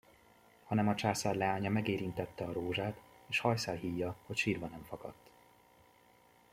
Hanem a császár leánya megérintette a rózsát, és hajszál híja, hogy sírva nem fakadt.